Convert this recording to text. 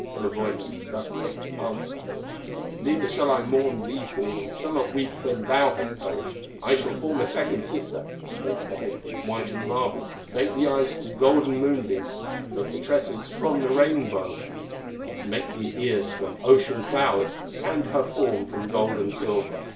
Kullerwoinen thus makes answer: "Neither shall I mourn thee fallen, Shall not weep when thou hast perished; I shall form a second sister, Make the head from whitened marble, Make the eyes from golden moonbeams, Make the tresses from the rainbow, Make the ears from ocean flowers, And her form from gold and silver.